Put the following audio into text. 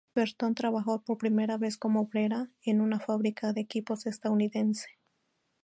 Berton trabajó por primera vez como obrera en una fábrica de equipos estadounidense.